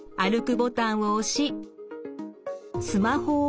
ボタンを押しスマホを腰に装着。